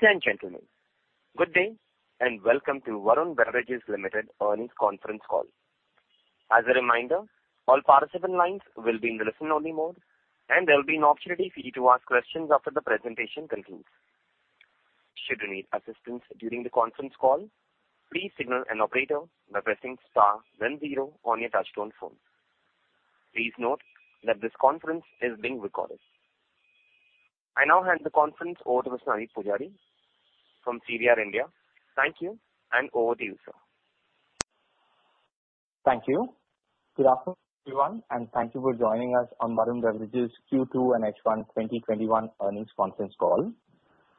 Ladies and gentlemen, good day and welcome to Varun Beverages Limited earnings conference call. As a reminder, all participant lines will be in listen-only mode and there will be an opportunity for you to ask questions after the presentation concludes. Should you need assistance during the conference call, please signal an operator by pressing star then zero on your touchtone phone. Please note that this conference is being recorded. I now hand the conference over to Mr. Anoop Poojari from CDR India. Thank you. Over to you, sir. Thank you. Good afternoon, everyone, and thank you for joining us on Varun Beverages Q2 and H1 2021 earnings conference call.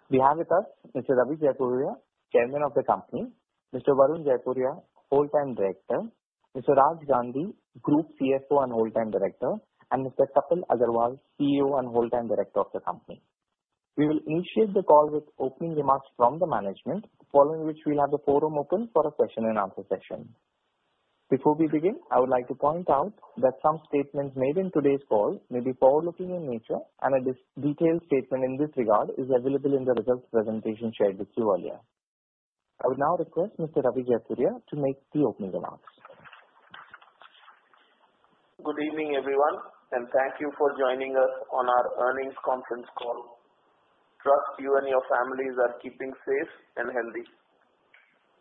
We have with us Mr. Ravi Jaipuria, Chairman of the company, Mr. Varun Jaipuria, Whole-time Director, Mr. Raj Gandhi, Group CFO and Whole-time Director, and Mr. Kapil Agarwal, CEO and Whole-time Director of the company. We will initiate the call with opening remarks from the management, following which we'll have the forum open for a question and answer session. Before we begin, I would like to point out that some statements made in today's call may be forward-looking in nature, and a detailed statement in this regard is available in the results presentation shared with you earlier. I would now request Mr. Ravi Jaipuria to make the opening remarks. Good evening, everyone, and thank you for joining us on our earnings conference call. Trust you and your families are keeping safe and healthy.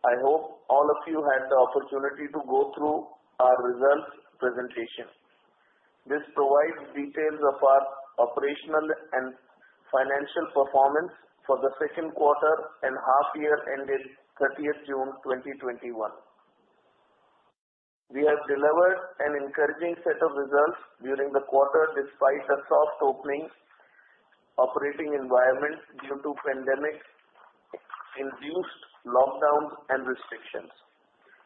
I hope all of you had the opportunity to go through our results presentation. This provides details of our operational and financial performance for the second quarter and half year ended 30th June 2021. We have delivered an encouraging set of results during the quarter despite the soft operating environment due to pandemic-induced lockdowns and restrictions.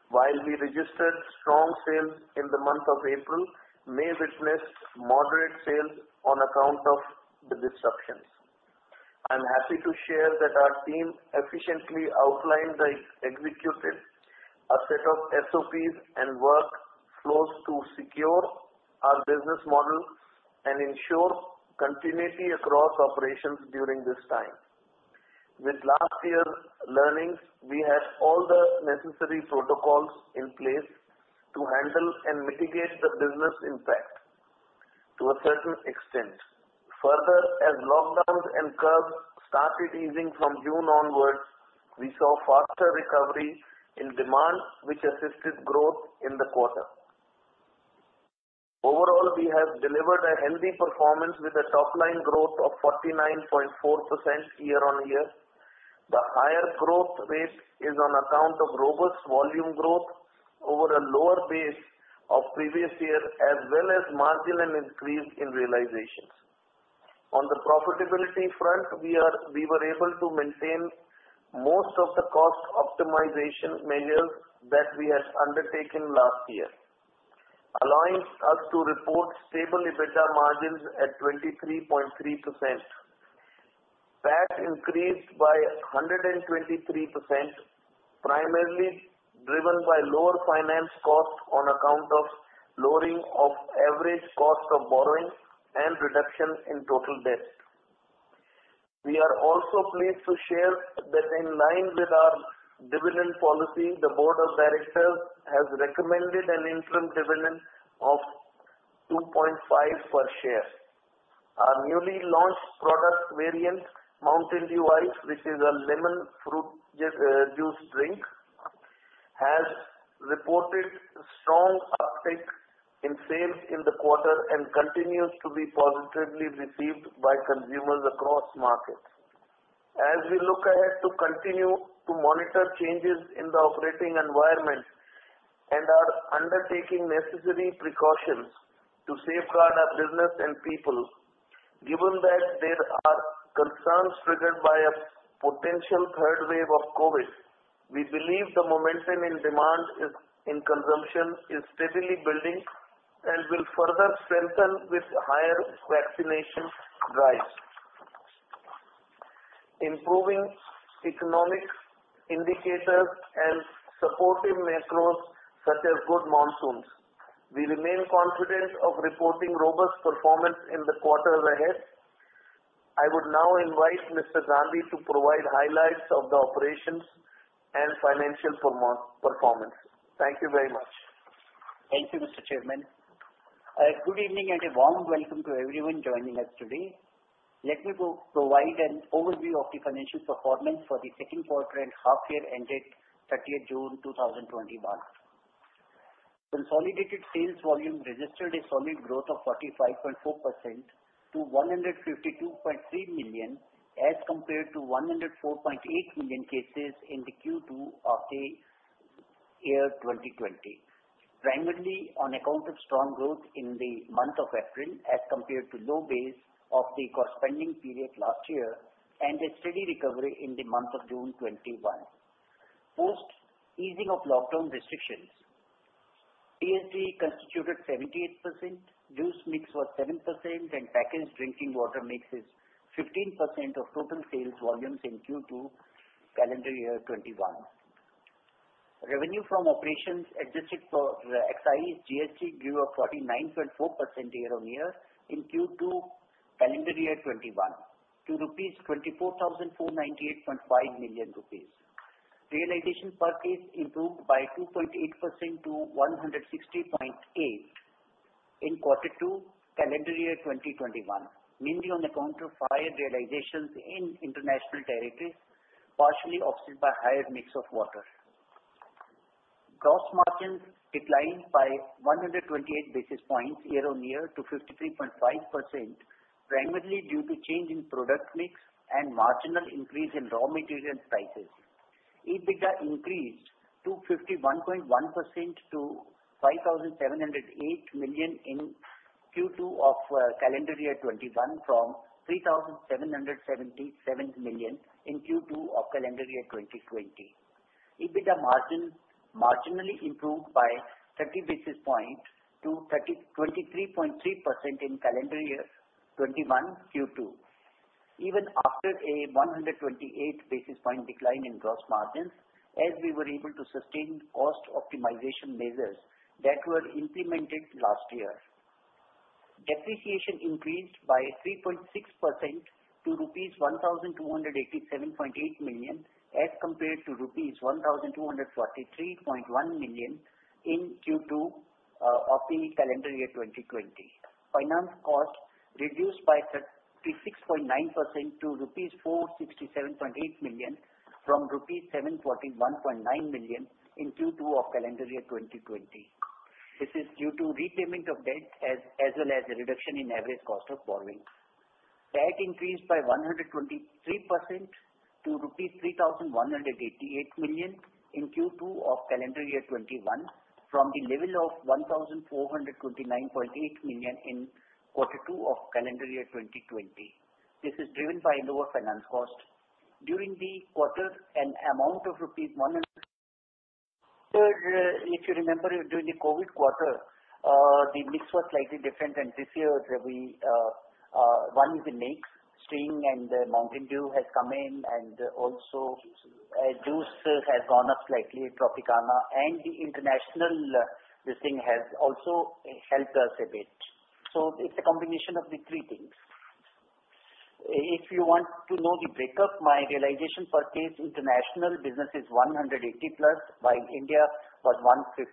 While we registered strong sales in the month of April, May witnessed moderate sales on account of the disruptions. I'm happy to share that our team efficiently outlined and executed a set of SOPs and workflows to secure our business model and ensure continuity across operations during this time. With last year's learnings, we had all the necessary protocols in place to handle and mitigate the business impact to a certain extent. Further, as lockdowns and curbs started easing from June onwards, we saw faster recovery in demand, which assisted growth in the quarter. Overall, we have delivered a healthy performance with a top-line growth of 49.4% year-on-year. The higher growth rate is on account of robust volume growth over a lower base of previous year as well as marginal increase in realizations. On the profitability front, we were able to maintain most of the cost optimization measures that we had undertaken last year, allowing us to report stable EBITDA margins at 23.3%. PAT increased by 123%, primarily driven by lower finance costs on account of lowering of average cost of borrowing and reduction in total debt. We are also pleased to share that in line with our dividend policy, the board of directors has recommended an interim dividend of 2.5 per share. Our newly launched product variant, Mountain Dew Ice, which is a lemon fruit juice drink, has reported strong uptake in sales in the quarter and continues to be positively received by consumers across markets. As we look ahead to continue to monitor changes in the operating environment and are undertaking necessary precautions to safeguard our business and people, given that there are concerns triggered by a potential third wave of COVID, we believe the momentum in demand in consumption is steadily building and will further strengthen with higher vaccination drives, improving economic indicators and supportive macros such as good monsoons. We remain confident of reporting robust performance in the quarters ahead. I would now invite Mr. Gandhi to provide highlights of the operations and financial performance. Thank you very much. Thank you, Mr. Chairman. Good evening and a warm welcome to everyone joining us today. Let me provide an overview of the financial performance for the second quarter and half year ended 30th June 2021. Consolidated sales volume registered a solid growth of 45.4% to 152.3 million, as compared to 104.8 million cases in the Q2 of the 2020. Primarily on account of strong growth in the month of April as compared to low base of the corresponding period last year and a steady recovery in the month of June 2021. Post easing of lockdown restrictions, CSD constituted 78%, juice mix was 7%, and packaged drinking water mix is 15% of total sales volumes in Q2 calendar year 2021. Revenue from operations adjusted for excise, GST grew up 49.4% year-on-year in Q2 calendar year 2021 to 24,498.5 million rupees. Realization per case improved by 2.8% to 160.8 in quarter two, calendar year 2021, mainly on account of higher realizations in international territories, partially offset by higher mix of water. Gross margins declined by 128 basis points year-on-year to 53.5%, primarily due to change in product mix and marginal increase in raw material prices. EBITDA increased to 51.1% to 5,708 million in Q2 of calendar year 2021 from 3,777 million in Q2 of calendar year 2020. EBITDA margin marginally improved by 30 basis points to 23.3% in calendar year 2021 Q2. Even after a 128 basis point decline in gross margins, as we were able to sustain cost optimization measures that were implemented last year. Depreciation increased by 3.6% to rupees 1,287.8 million as compared to rupees 1,243.1 million in Q2 of the calendar year 2020. Finance cost reduced by 36.9% to rupees 467.8 million from rupees 741.9 million in Q2 of calendar year 2020. This is due to repayment of debt as well as a reduction in average cost of borrowing. Debt increased by 123% to rupees 3,188 million in Q2 of calendar year 2021 from the level of 1,429.8 million in quarter two of calendar year 2020. This is driven by lower finance cost. During the quarter, an amount of rupees 100.. If you remember, during the COVID quarter, the mix was slightly different than this year. One is the mix, Sting and Mountain Dew has come in, and also juice has gone up slightly, Tropicana, and the international, this thing has also helped us a bit. It's a combination of the three things. If you want to know the breakup, my realization per case international business is 180+, while India was 156+.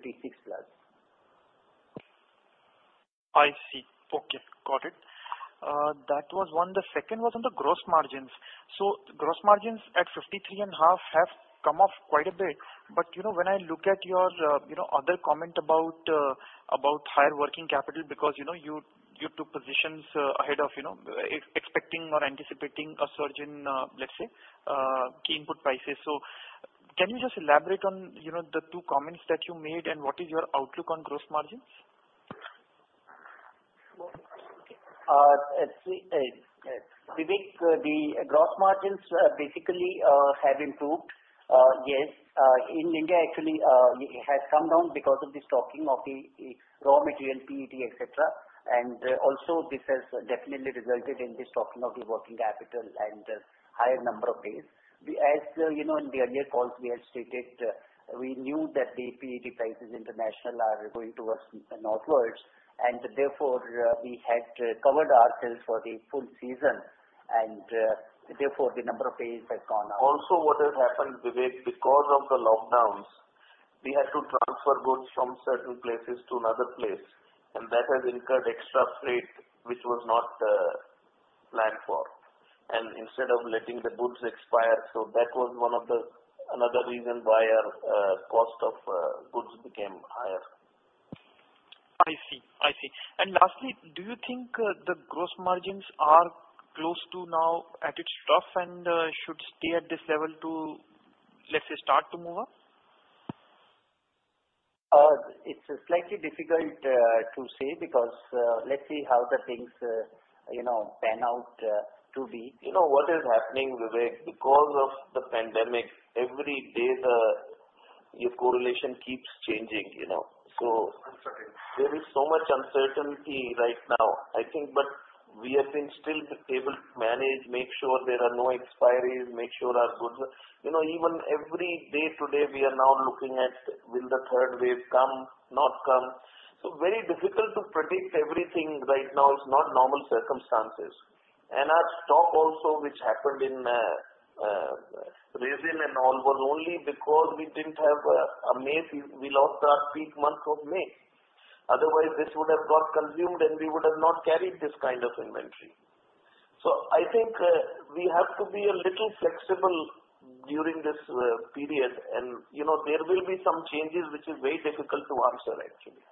I see. Okay, got it. That was one. The second was on the gross margins. Gross margins at 53.5% have come off quite a bit. When I look at your other comment about higher working capital because you took positions ahead of expecting or anticipating a surge in, let's say, key input prices. Can you just elaborate on the two comments that you made, and what is your outlook on gross margins? Vivek, the gross margins basically have improved. Yes. In India, actually, it has come down because of the stocking of the raw material, PET, et cetera. Also this has definitely resulted in the stocking of the working capital and higher number of days. As you know in the earlier calls we had stated, we knew that the PET prices international are going towards northwards, and therefore we had covered ourselves for the full season, and therefore the number of days had gone up. What has happened, Vivek, because of the lockdowns, we had to transfer goods from certain places to another place, and that has incurred extra freight, which was not planned for. Instead of letting the goods expire, so that was another reason why our cost of goods became higher. I see. Lastly, do you think the gross margins are close to now at its trough and should stay at this level to, let's say, start to move up? It's slightly difficult to say because let's see how the things pan out to be. You know what is happening, Vivek, because of the pandemic, every day, your correlation keeps changing. Uncertainty. There is so much uncertainty right now, I think, but we have been still able to manage, make sure there are no expiries, make sure our goods are Even every day to day, we are now looking at will the third wave come, not come? Very difficult to predict everything right now. It's not normal circumstances. Our stock also, which happened in resin and all, was only because we didn't have a May. We lost our peak month of May. Otherwise, this would have got consumed, and we would have not carried this kind of inventory. I think we have to be a little flexible during this period, and there will be some changes, which is very difficult to answer, actually.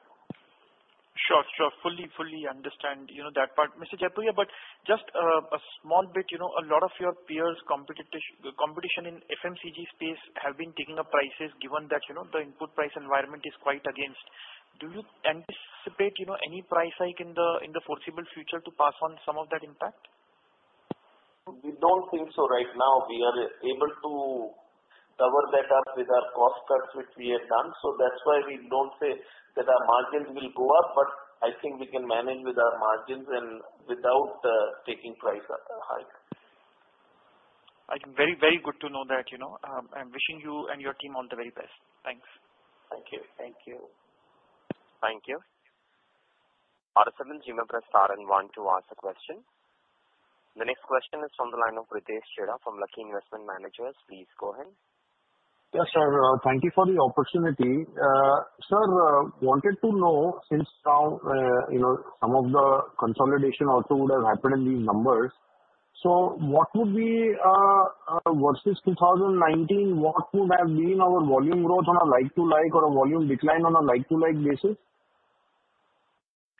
Sure. Fully understand that part, Mr. Jaipuria. Just a small bit, a lot of your peers, competition in FMCG space have been taking up prices given that the input price environment is quite against. Do you anticipate any price hike in the foreseeable future to pass on some of that impact? We don't think so right now. We are able to cover that up with our cost cuts, which we have done. That's why we don't say that our margins will go up, but I think we can manage with our margins and without taking price hike. Very good to know that. I'm wishing you and your team all the very best. Thanks. Thank you. Thank you. The next question is from the line of Pritesh Chheda, from Lucky Investment Managers. Please go ahead. Yes, sir. Thank you for the opportunity. Sir, wanted to know since now some of the consolidation also would have happened in these numbers. Versus 2019, what would have been our volume growth on a like-to-like or a volume decline on a like-to-like basis?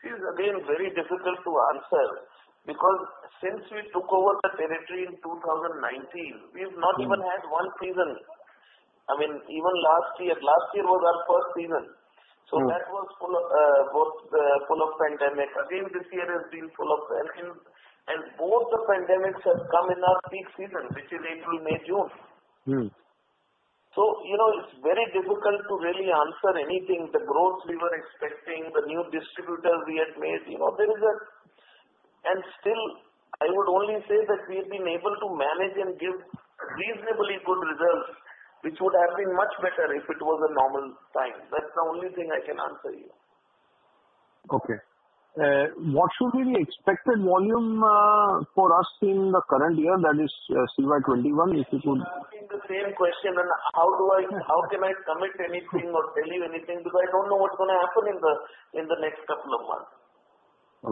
It is again, very difficult to answer because since we took over the territory in 2019, we've not even had one season. Even last year was our first season, that was both full of pandemic. This year has been full of pandemic and both the pandemics have come in our peak season, which is April, May, June. It's very difficult to really answer anything, the growth we were expecting, the new distributors we had made. Still, I would only say that we've been able to manage and give reasonably good results, which would have been much better if it was a normal time. That's the only thing I can answer you. Okay. What should be the expected volume for us in the current year that is CY 2021? You're asking the same question and how can I commit anything or tell you anything? I don't know what's going to happen in the next couple of months.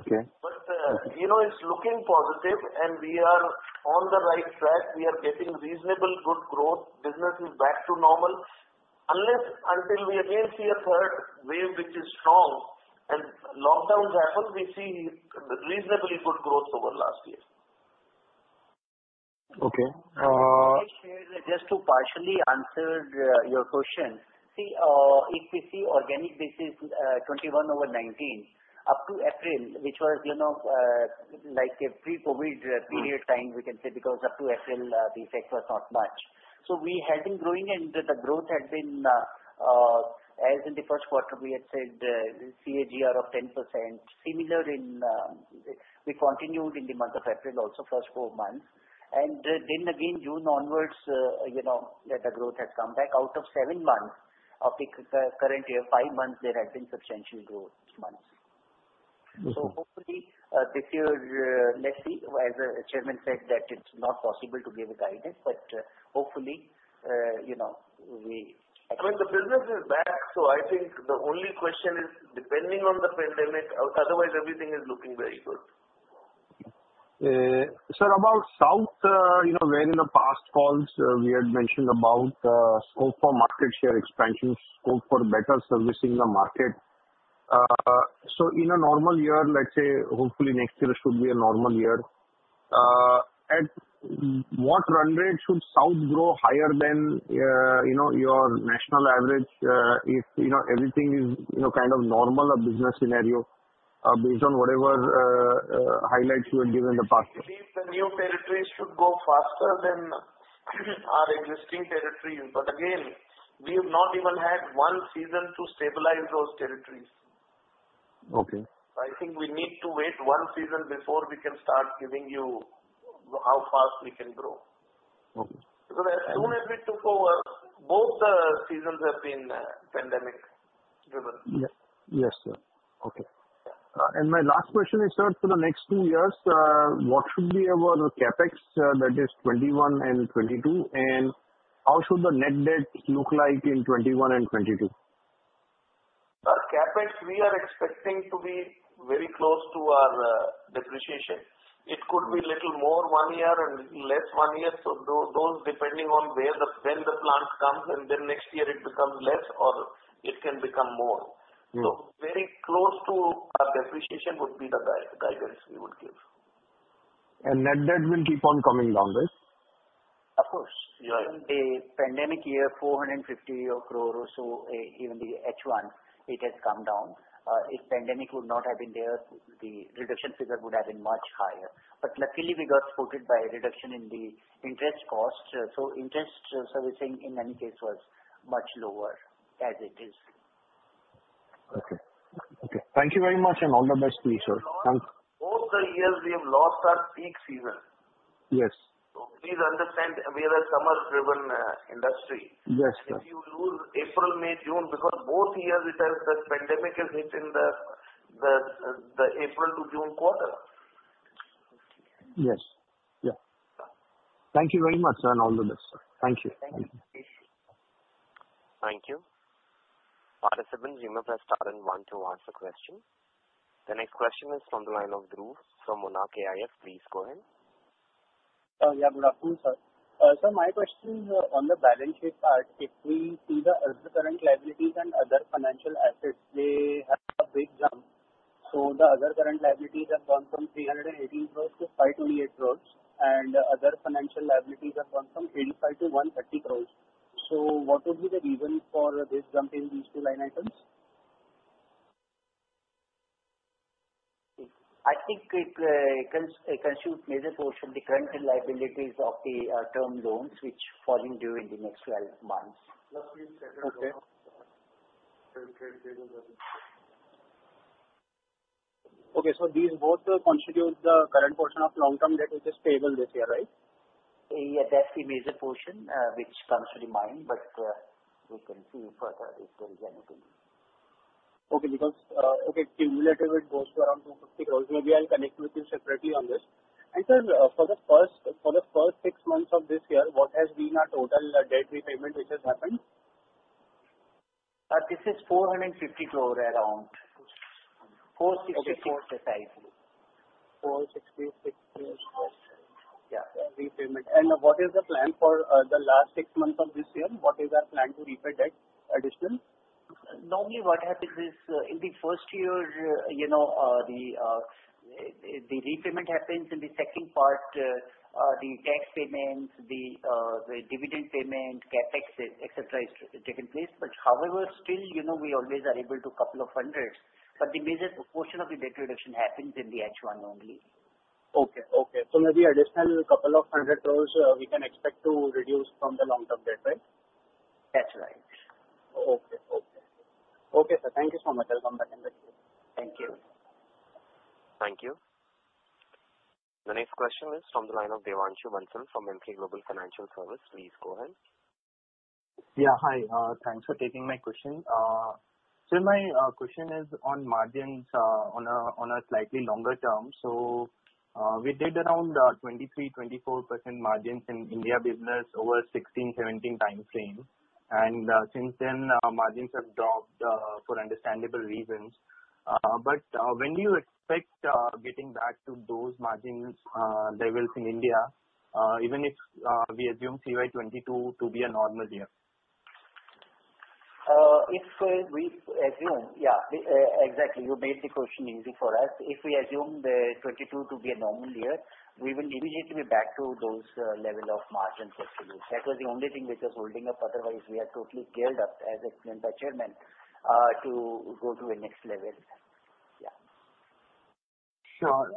Okay. It's looking positive and we are on the right track. We are getting reasonably good growth. Business is back to normal. Unless until we again see a third wave which is strong and lockdowns happen, we've seen reasonably good growth over last year. Okay. Pritesh, just to partially answer your question. See, if we see organic basis 21 over 19 up to April, which was like a pre-COVID period time we can say because up to April, the effect was not much. We had been growing and the growth had been as in the first quarter we had said CAGR of 10%. Similar we continued in the month of April also first four months and then again June onwards the growth has come back out of seven months of the current year, five months there had been substantial growth months. Hopefully, let's see. As the Chairman said that it's not possible to give a guidance, hopefully. I mean the business is back so I think the only question is depending on the pandemic, otherwise everything is looking very good. Sir about South, when in the past calls we had mentioned about scope for market share expansion, scope for better servicing the market. In a normal year, let's say hopefully next year should be a normal year. At what run rate should South grow higher than your national average, if everything is kind of normal or business scenario based on whatever highlights you had given in the past? We believe the new territories should grow faster than our existing territories. Again, we've not even had one season to stabilize those territories. Okay. I think we need to wait one season before we can start giving you how fast we can grow. Okay. As soon as we took over, both the seasons have been pandemic driven. Yes, sir. Okay. My last question is, sir, for the next two years what should be our CapEx that is 2021 and 2022? How should the net debt look like in 2021 and 2022? Our CapEx we are expecting to be very close to our depreciation. It could be little more one year and less one year, those depending on when the plant comes and then next year it becomes less or it can become more. Very close to our depreciation would be the guidance we would give. Net debt will keep on coming down, right? Of course. Right. Even a pandemic year, 450 crore or so, even the H1 it has come down. If pandemic would not have been there the reduction figure would have been much higher. Luckily we got supported by a reduction in the interest cost so interest servicing in any case was much lower as it is. Okay. Thank you very much and all the best to you, sir. Both the years we have lost our peak season. Yes. Please understand we are a summer driven industry. Yes, sir. If you lose April, May, June because both years the pandemic is hitting the April to June quarter. Yes. Thank you very much sir. All the best sir. Thank you. Thank you. Thank you. The next question is from the line of Dhruv from Monarch AIF. Please go ahead. Yeah, good afternoon, sir. Sir, my question is on the balance sheet part. If we see the other current liabilities and other financial assets they have a big jump. The other current liabilities have gone from 380 crore to 528 crore and other financial liabilities have gone from 85 to 130 crore. What will be the reason for this jump in these two line items? I think it constitutes major portion of the current liabilities of the term loans which fall due in the next 12 months. We have settled down. Okay, these both constitute the current portion of long-term debt, which is payable this year, right? Yeah, that's the major portion which comes to the mind. We can see further if there is anything. Okay. Cumulatively, it goes to around 250 crores. Maybe I'll connect with you separately on this. Sir, for the first six months of this year, what has been our total debt repayment which has happened? This is 450 crore around. 464 crore, precisely. 466. Yeah, repayment. What is the plan for the last six months of this year? What is our plan to repay debt additional? Normally what happens is, in the first year, the repayment happens. In the second part, the tax payment, the dividend payment, CapEx, et cetera, is taking place. However, still, we always are able to INR couple of hundreds, but the major portion of the debt reduction happens in the H1 only. Okay. maybe additional INR couple of 100 crores we can expect to reduce from the long-term debt, right? That's right. Okay. Sir, thank you so much. I'll come back in the queue. Thank you. Thank you. The next question is from the line of Devanshu Bansal from Emkay Global Financial Services. Please go ahead. Yeah, hi. Thanks for taking my question. Sir, my question is on margins on a slightly longer term. We did around 23%-24% margins in India business over 2016, 2017 time frame. Since then, margins have dropped for understandable reasons. When do you expect getting back to those margins levels in India? Even if we assume FY 2022 to be a normal year. If we assume Yeah, exactly. You made the question easy for us. If we assume 2022 to be a normal year, we will immediately be back to those level of margins, actually. That was the only thing which was holding up, otherwise we are totally scaled up, as explained by Chairman, to go to a next level. Yeah. Sure.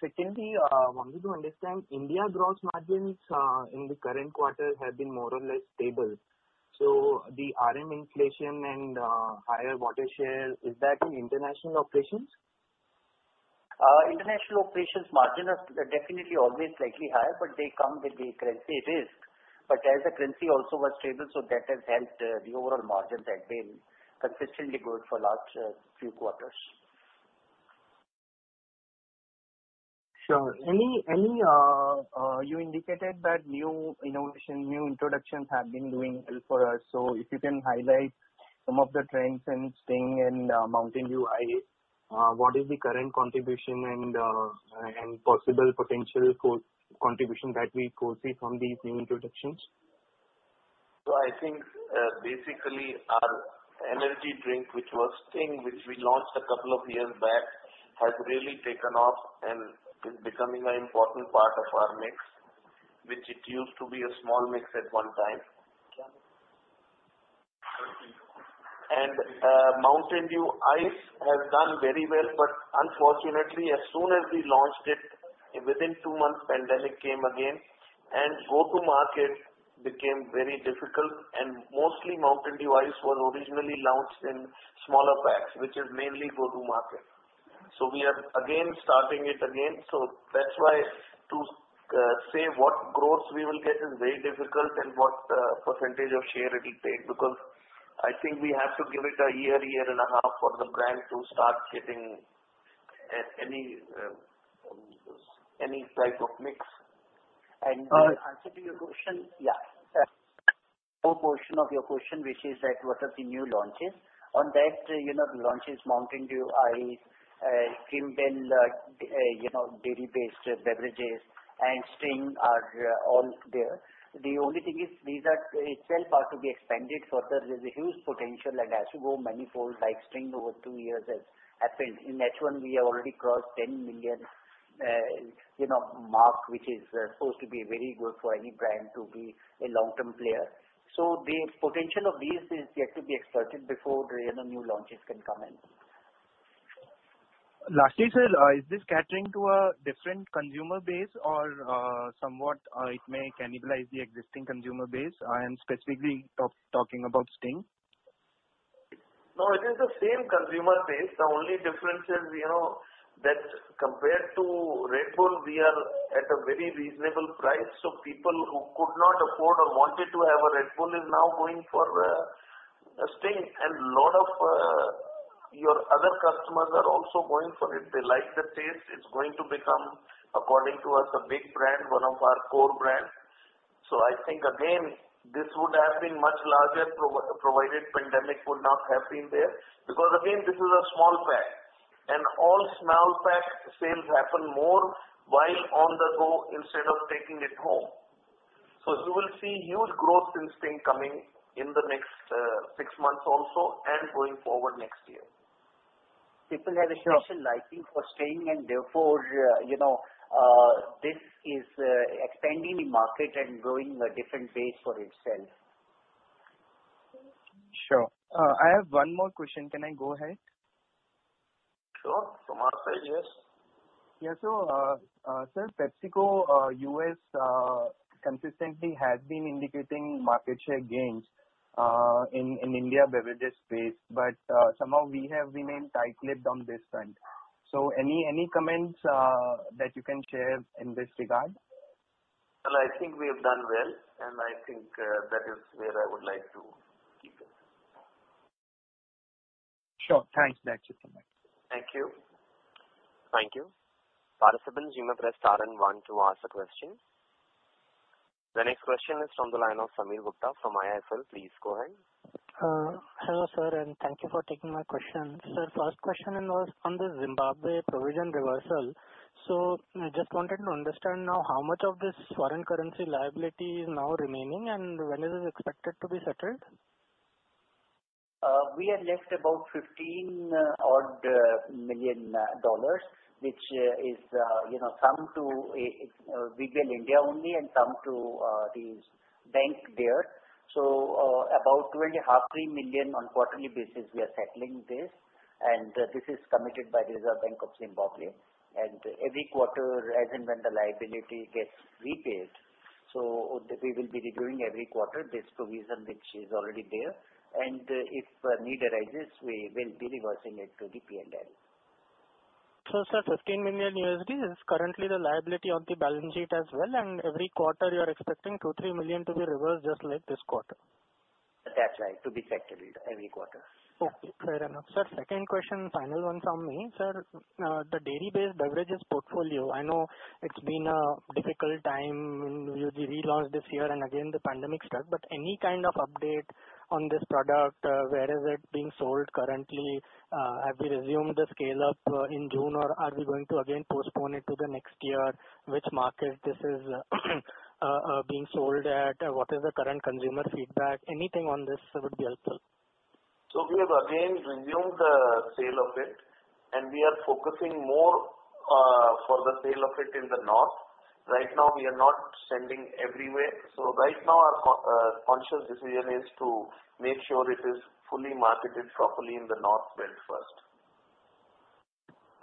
Secondly, wanted to understand India gross margins in the current quarter have been more or less stable. The RM inflation and higher water share, is that in international operations? International operations margin are definitely always slightly higher, but they come with a currency risk. As the currency also was stable, so that has helped the overall margin that been consistently good for last few quarters. Sure. You indicated that new innovation, new introductions have been doing well for us. If you can highlight some of the trends in Sting and Mountain Dew Ice. What is the current contribution and possible potential contribution that we could see from these new introductions? I think basically our energy drink, which was Sting, which we launched a couple of years back, has really taken off and is becoming an important part of our mix, which it used to be a small mix at one time. Mountain Dew Ice has done very well, but unfortunately, as soon as we launched it, within two months, pandemic came again and go-to-market became very difficult, and mostly Mountain Dew Ice was originally launched in smaller packs, which is mainly go-to-market. We are again starting it again. That's why to say what growth we will get is very difficult and what percentage of share it will take, because I think we have to give it a year and a half for the brand to start getting any type of mix. Answer to your question, yeah. Whole portion of your question, which is that what are the new launches. On that, the launches, Mountain Dew Ice, Creambell dairy-based beverages, and Sting are all there. The only thing is, these itself are to be expanded further. There's a huge potential and has to grow manifold like Sting over two years has happened. In H1, we have already crossed 10 million mark, which is supposed to be very good for any brand to be a long-term player. The potential of these is yet to be exerted before new launches can come in. Lastly, sir, is this catering to a different consumer base or somewhat it may cannibalize the existing consumer base? I am specifically talking about Sting. No, it is the same consumer base. The only difference is that compared to Red Bull, we are at a very reasonable price. People who could not afford or wanted to have a Red Bull is now going for Sting, and lot of your other customers are also going for it. They like the taste. It's going to become, according to us, a big brand, one of our core brands. I think again, this would have been much larger, provided pandemic would not have been there. Again, this is a small pack, and all small pack sales happen more while on the go instead of taking it home. You will see huge growth in Sting coming in the next 6 months also and going forward next year. People have a special liking for Sting and therefore, this is expanding the market and growing a different base for itself. Sure. I have one more question. Can I go ahead? Sure. Kumar said yes Yeah. Sir, PepsiCo U.S. consistently has been indicating market share gains in India beverages space. Somehow we have remained tight-lipped on this front. Any comments that you can share in this regard? Well, I think we have done well, and I think that is where I would like to keep it. Sure. Thanks. That's it from my side. Thank you. Thank you. Operator, you may press star and one to ask a question. The next question is from the line of Sameer Gupta from IIFL. Please go ahead. Hello, sir, and thank you for taking my question. Sir, first question was on the Zimbabwe provision reversal. I just wanted to understand now how much of this foreign currency liability is now remaining, and when is it expected to be settled? We are left about $15 odd million, which is some to VBL India only and some to these bank there. About $20 million, half, $3 million on quarterly basis, we are settling this, and this is committed by Reserve Bank of Zimbabwe. Every quarter, as and when the liability gets repaid. We will be reviewing every quarter this provision which is already there, and if need arises, we will be reversing it to the P&L. Sir, $15 million is currently the liability on the balance sheet as well, and every quarter you are expecting $2-3 million to be reversed just like this quarter? That's right. To be settled every quarter. Okay, fair enough. Sir, second question, final one from me. Sir, the dairy-based beverages portfolio, I know it's been a difficult time. You relaunched this year and again, the pandemic struck. Any kind of update on this product, where is it being sold currently? Have we resumed the scale-up in June or are we going to again postpone it to the next year? Which market this is being sold at? What is the current consumer feedback? Anything on this would be helpful. We have again resumed the sale of it, and we are focusing more for the sale of it in the north. Right now, we are not sending everywhere. Right now, our conscious decision is to make sure it is fully marketed properly in the north belt first.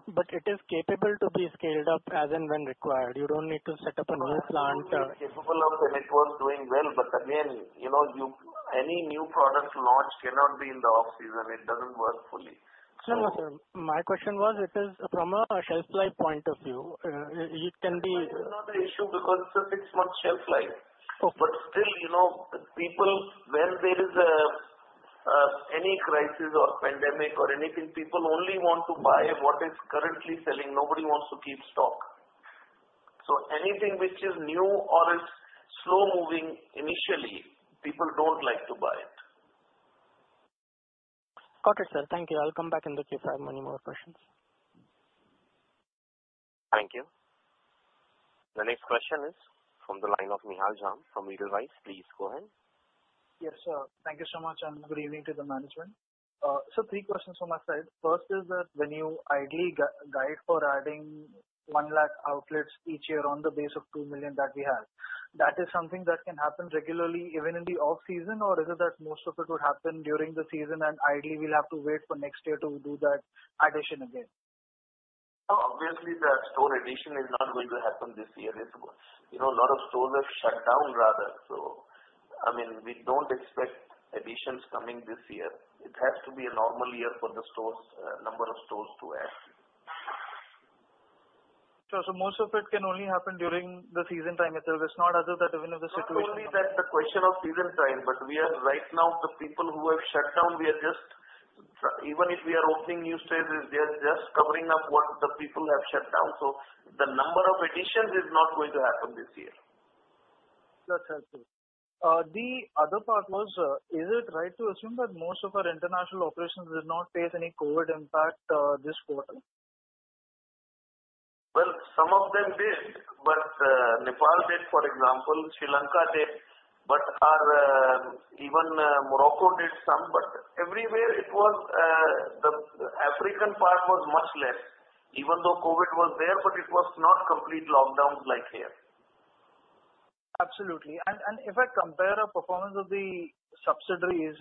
It is capable to be scaled up as and when required. You don't need to set up a new plant. Capable of when it was doing well, again, any new product launch cannot be in the off-season. It doesn't work fully. No, sir. My question was it is from a shelf life point of view. It can be- That is not the issue because it's a six-month shelf life. Still, people, where there is any crisis or pandemic or anything, people only want to buy what is currently selling. Nobody wants to keep stock. Anything which is new or is slow-moving initially, people don't like to buy it. Got it, sir. Thank you. I'll come back in the queue if I have any more questions. Thank you. The next question is from the line of Nihal Jham from Edelweiss. Please go ahead. Yes, sir. Thank you so much, and good evening to the management. Sir, three questions from my side. First is that when you ideally guide for adding 1 lakh outlets each year on the base of 2 million that we have, that is something that can happen regularly even in the off-season? Is it that most of it would happen during the season and ideally we'll have to wait for next year to do that addition again? Obviously that store addition is not going to happen this year. A lot of stores are shut down, rather. We don't expect additions coming this year. It has to be a normal year for the number of stores to add. Sure. Most of it can only happen during the season time itself. It's not as if that even if the situation- It's not only that the question of season time, but right now the people who have shut down, even if we are opening new stores, they are just covering up what the people have shut down. The number of additions is not going to happen this year. That's helpful. The other part was, is it right to assume that most of our international operations did not face any COVID impact this quarter? Well, some of them did. Nepal did, for example. Sri Lanka did. Even Morocco did some, but everywhere it was the African part was much less. Even though COVID was there, but it was not complete lockdowns like here. Absolutely. If I compare the performance of the subsidiaries,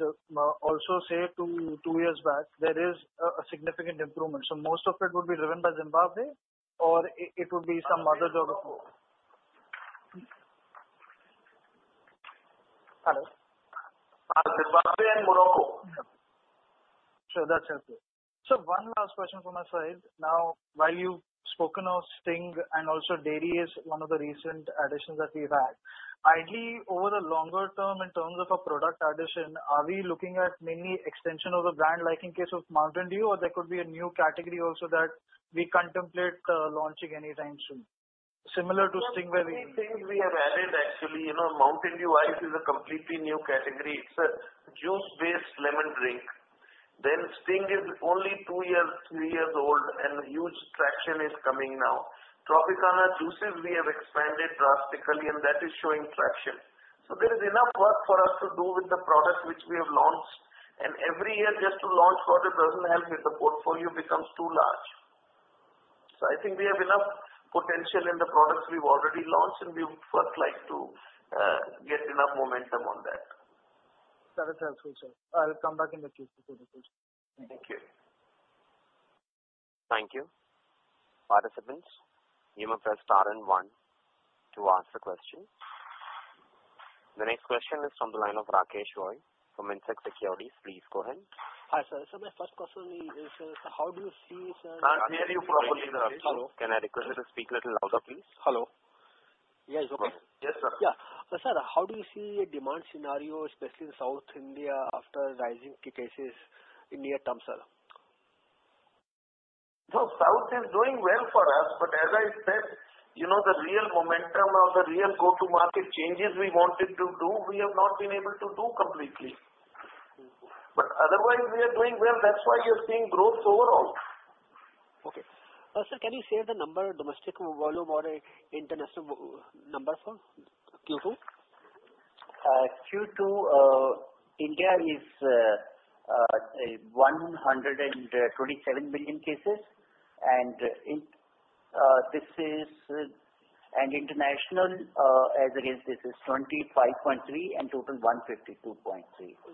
also say two years back, there is a significant improvement. Most of it would be driven by Zimbabwe or it would be some other driver too? Hello? Zimbabwe and Morocco. Sure. That's helpful. Sir, one last question from my side. While you've spoken of Sting and also dairy is one of the recent additions that we've had. Ideally, over the longer term in terms of a product addition, are we looking at mainly extension of the brand, like in case of Mountain Dew, or there could be a new category also that we contemplate launching anytime soon? Similar to Sting. Sting we have added actually. Mountain Dew Ice is a completely new category. It's a juice-based lemon drink. Sting is only two years, three years old, and huge traction is coming now. Tropicana juices we have expanded drastically, and that is showing traction. There is enough work for us to do with the products which we have launched, and every year just to launch product doesn't help if the portfolio becomes too large. I think we have enough potential in the products we've already launched, and we would first like to get enough momentum on that. That is absolutely, sir. I'll come back in the Q&A session. Thank you. Thank you. Participants, you may press star and one to ask a question. The next question is from the line of Rakesh Roy from Indsec Securities. Please go ahead. Hi, sir. My first question is, how do you see? Can I request you to speak a little louder, please? Hello. Yeah, is it okay? Yes, sir. Yeah. Sir, how do you see a demand scenario, especially in South India after rising cases in near term, sir? South is doing well for us, but as I said, the real momentum or the real go-to-market changes we wanted to do, we have not been able to do completely. Otherwise, we are doing well. That's why you are seeing growth overall. Okay. Sir, can you share the number, domestic volume or international number for Q2? Q2 India is 127 million cases, and international as against this is 25.3 and total 152.3.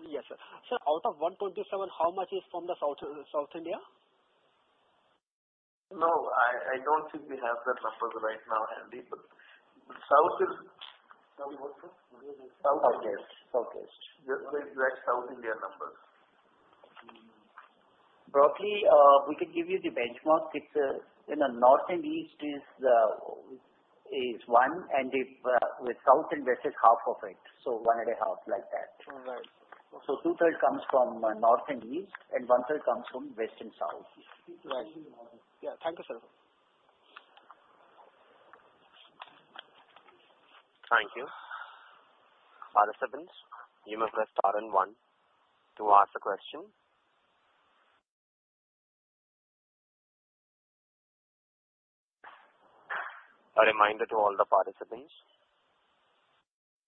Yes, sir. Sir, out of 127, how much is from the South India? No, I don't think we have that number right now handy, but South is. South what, sir? Just the South India numbers. Broadly, we can give you the benchmark. North and East is 1, and South and West is half of it. 1 and a half, like that. All right. Two-third comes from North and East, and 1/3 comes from West and South. Yeah. Thank you, sir. Thank you. Participants, you may press star and one to ask a question. A reminder to all the participants,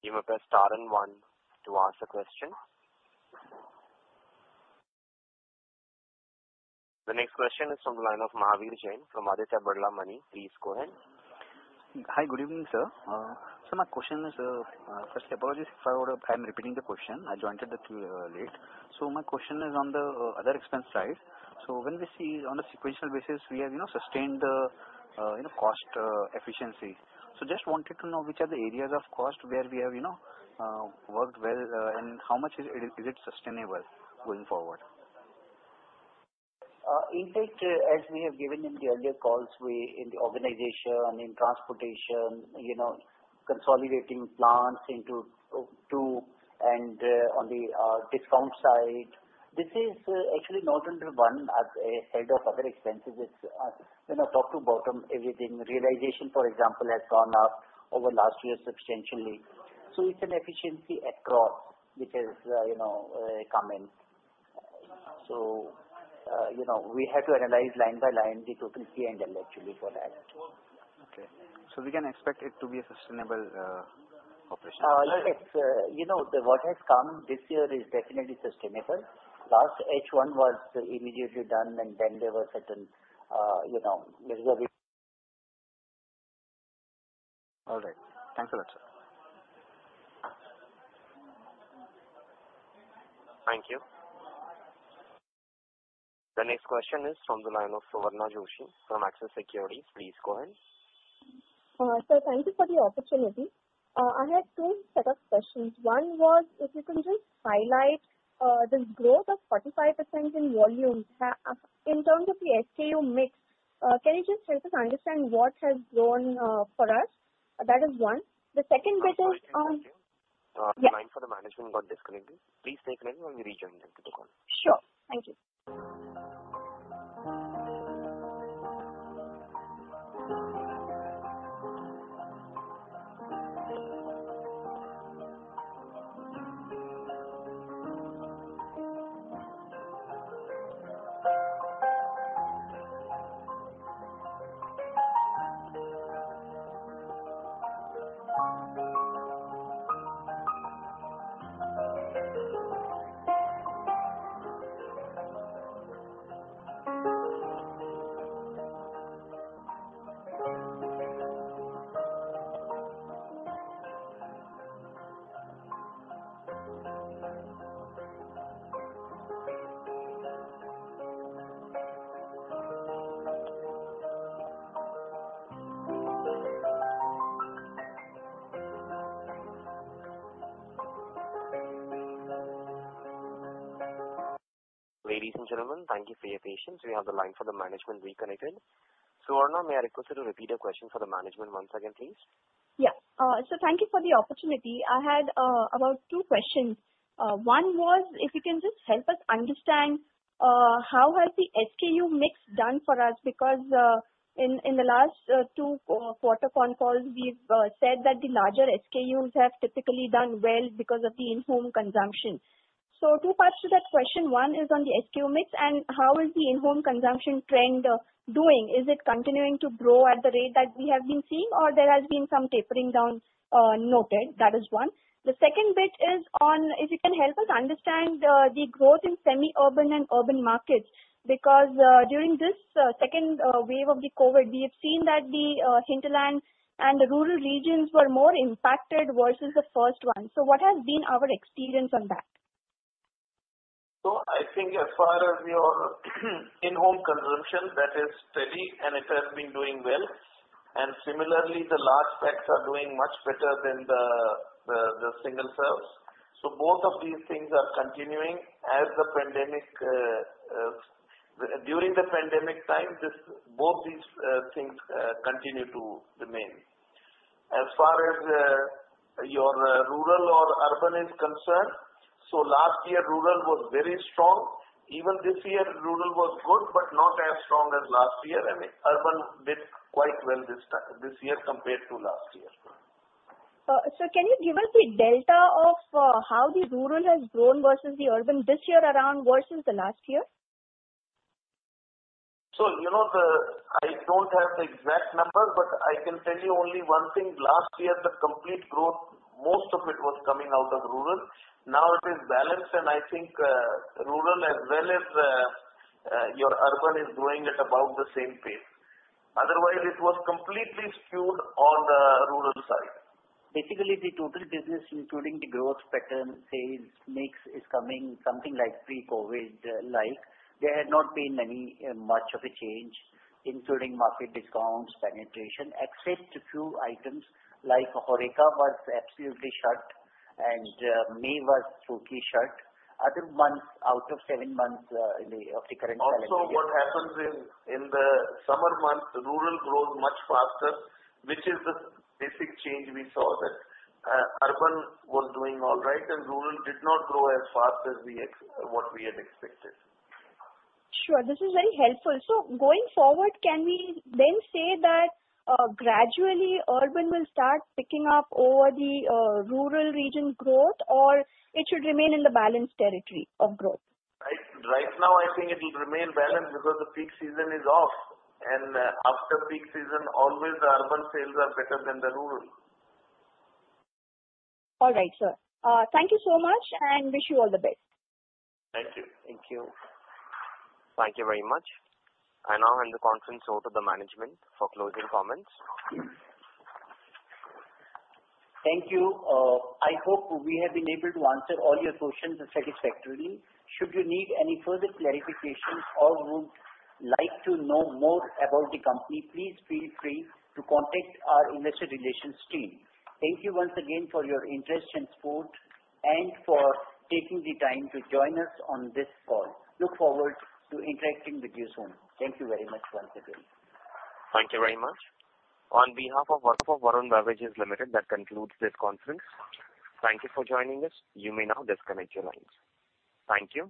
you may press star and one to ask a question. The next question is from the line of Mahavir Jain from Aditya Birla Money. Please go ahead. Hi. Good evening, sir. Sir, my question is, first apologies if I'm repeating the question. I joined a little late. My question is on the other expense side. When we see on a sequential basis, we have sustained the cost efficiency. Just wanted to know which are the areas of cost where we have worked well, and how much is it sustainable going forward? In fact, as we have given in the earlier calls, in the organization, in transportation, consolidating plants into two and on the discount side. This is actually not under one as a head of other expenses. It's a top to bottom, everything. Realization, for example, has gone up over last year substantially. It's an efficiency across which has come in. We have to analyze line by line the total P&L actually for that. Okay. We can expect it to be a sustainable operation. Yes. What has come this year is definitely sustainable. Last H1 was immediately done, and then there were certain. All right. Thank you a lot, sir. Thank you. The next question is from the line of Suvarna Joshi from Axis Securities. Please go ahead. Sir, thank you for the opportunity. I had 2 set of questions. One was if you can just highlight this growth of 45% in volume. In terms of the SKU mix, can you just help us understand what has grown for us? That is one. I'm sorry, Suvarna. The line for the management got disconnected. Please stay connected on the line when we rejoin them to the call. Sure. Thank you. Ladies and gentlemen, thank you for your patience. We have the line for the management reconnected. Suvarna, may I request you to repeat your question for the management once again, please? Yeah. Sir, thank you for the opportunity. I had about two questions. One was if you can just help us understand how has the SKU mix done for us because in the last two quarter phone calls, we've said that the larger SKUs have typically done well because of the in-home consumption. Two parts to that question, one is on the SKU mix and how is the in-home consumption trend doing? Is it continuing to grow at the rate that we have been seeing or there has been some tapering down noted? That is one. The second bit is on if you can help us understand and the growth in semi-urban and urban markets, because during this second wave of the COVID, we have seen that the hinterland and the rural regions were more impacted versus the 1st one. What has been our experience on that? I think as far as your in-home consumption, that is steady, and it has been doing well. Similarly, the large packs are doing much better than the single serves. Both of these things are continuing during the pandemic time, both these things continue to remain. As far as your rural or urban is concerned, last year rural was very strong. Even this year rural was good, but not as strong as last year, and urban did quite well this year compared to last year. Sir, can you give us the delta of how the rural has grown versus the urban this year around versus the last year? I don't have the exact number, but I can tell you only one thing. Last year, the complete growth, most of it was coming out of rural. It is balanced, and I think rural as well as your urban is growing at about the same pace. Otherwise, it was completely skewed on the rural side. Basically, the total business including the growth pattern, sales mix, is coming something like pre-COVID like. There had not been much of a change, including market discounts, penetration, except a few items like HORECA was absolutely shut and May was totally shut. Other months, out of seven months of the current calendar year. What happens in the summer months, rural grows much faster, which is the basic change we saw that urban was doing all right and rural did not grow as fast as what we had expected. Sure. This is very helpful. Going forward, can we then say that gradually urban will start picking up over the rural region growth, or it should remain in the balanced territory of growth? Right now, I think it will remain balanced because the peak season is off, and after peak season, always the urban sales are better than the rural. All right, sir. Thank you so much, and wish you all the best. Thank you. Thank you. Thank you very much. I now hand the conference over to the management for closing comments. Thank you. I hope we have been able to answer all your questions satisfactorily. Should you need any further clarifications or would like to know more about the company, please feel free to contact our investor relations team. Thank you once again for your interest and support, and for taking the time to join us on this call. Look forward to interacting with you soon. Thank you very much once again. Thank you very much. On behalf of Varun Beverages Limited, that concludes this conference. Thank you for joining us. You may now disconnect your lines. Thank you.